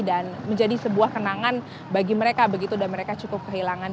dan menjadi sebuah kenangan bagi mereka begitu dan mereka cukup kehilangan